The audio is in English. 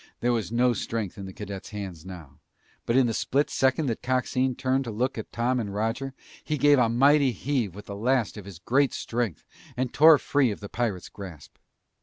There was no strength in the cadet's hands now, but in the split second that Coxine turned to look at Tom and Roger, he gave a mighty heave with the last of his great strength and tore free of the pirate's grasp.